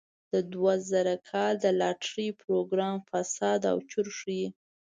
د دوه زره کال د لاټرۍ پروګرام فساد او چور ښيي.